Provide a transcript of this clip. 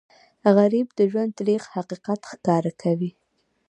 غریب د ژوند تریخ حقیقت ښکاره کوي